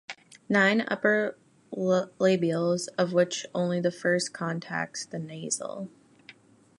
Nine upper labials, of which only the first contacts the nasal.